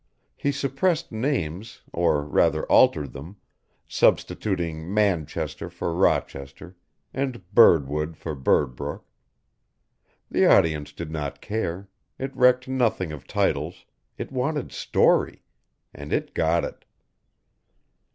He suppressed names, or rather altered them, substituting Manchester for Rochester and Birdwood for Birdbrook. The audience did not care, it recked nothing of titles, it wanted Story and it got it.